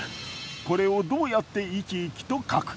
これをどうやって生き生きと描くか。